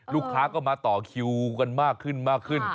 ลูกค้าก็มาต่อคิวกันมากขึ้นมากขึ้น